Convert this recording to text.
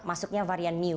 masuknya varian new